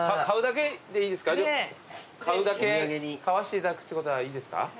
買うだけでいいですか買うだけ買わせていただくってことはいいですか？